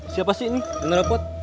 siapa sih ini